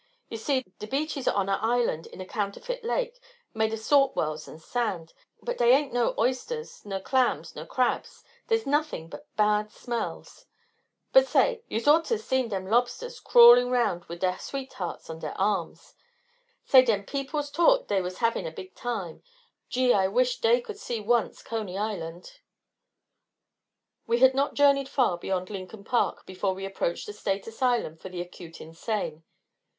Yuse see, de beach is on a island in a counterfeit lake, made of salt wells and sand, but day ain't no oysters, ner clams, ner crabs, day's nothin' but bad smells but say, yuse oughter seen de lobsters crawlin' round wid dere sweethearts on dere arms! Say, dem peoples t'ought dey was havin' a big time. Gee, I wished day could see once Coney Island!" We had not journeyed far beyond Lincoln Park before we approached the State Asylum for the Acute Insane.